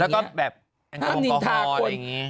นะก็แบบแนนตาคน